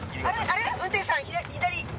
あれ⁉運転手さん左！